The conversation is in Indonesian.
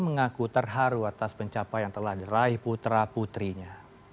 mengaku terharu atas pencapa yang telah diraih putra putrinya